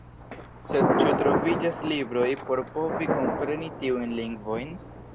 Sed ĉu troviĝas libroj por povi kompreni tiujn lingvojn?